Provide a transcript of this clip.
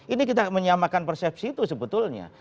ini kita menyamakan persepsi itu sebetulnya